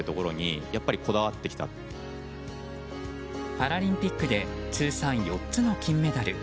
パラリンピックで通算４つの金メダル。